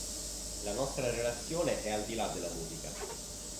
La nostra relazione è al di là della musica.